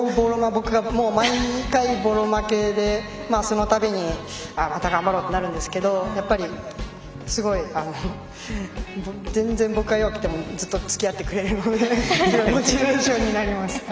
毎回、僕がぼろ負けでそのたびにまた頑張ろうってなるんですけどやっぱり全然僕が弱くてもずっと、つきあってくれるのでモチベーションになります。